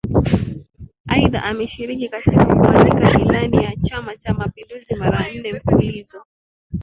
Aidha ameshiriki katika kuandika Ilani ya Chama cha Mapinduzi mara nne mfululizo